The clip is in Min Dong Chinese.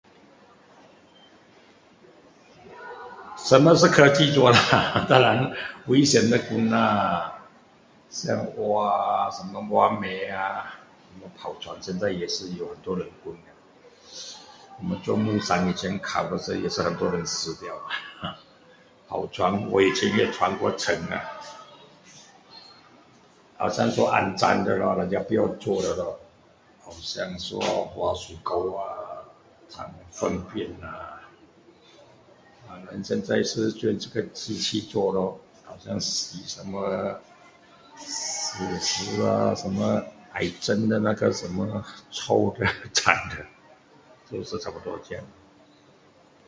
什么是科技的工啊（哈）当然是危险的工啦像挖啊什么挖煤啊像跑船之类有很多也是我们做木山砍以前不是也是很多人死掉跑船我以前也船过沉啊好像说肮脏的咯人家都不要做的咯好像说挖水沟啊产粪便啊现在是用机器做咯好像什么死尸咯癌症的那个臭的都是差不多这样